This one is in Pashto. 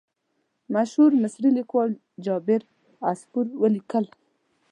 مشهور مصري لیکوال جابر عصفور ولیکل.